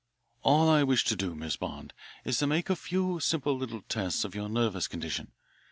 "All I wish to do, Miss Bond, is to make a few, simple little tests of your nervous condition.